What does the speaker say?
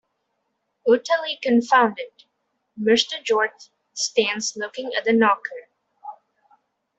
Utterly confounded, Mr. George stands looking at the knocker.